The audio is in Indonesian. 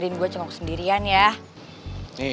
lengkongnya di sini